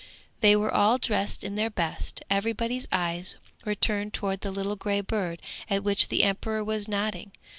They were all dressed in their best; everybody's eyes were turned towards the little grey bird at which the emperor was nodding.